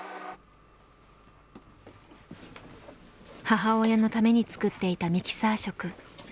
母親のために作っていたミキサー食。